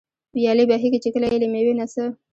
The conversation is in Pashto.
ويالې بهېږي، چي كله ئې له مېوې نه څه